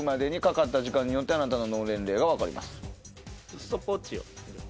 ストップウオッチを。